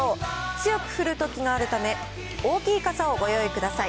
強く降るときもあるため、大きい傘をご用意ください。